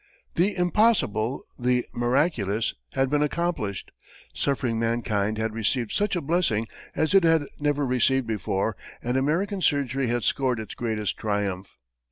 The impossible, the miraculous, had been accomplished; suffering mankind had received such a blessing as it had never received before, and American surgery had scored its greatest triumph.